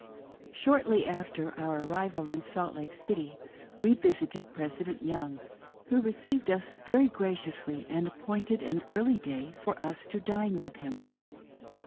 SHORTLY after our arrival in Salt Lake City we visited President Young, who received us very graciously and appointed an early day for us to dine with him.